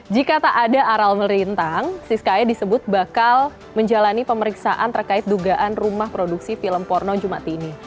jika tak ada aral merintang siskaya disebut bakal menjalani pemeriksaan terkait dugaan rumah produksi film porno jumat ini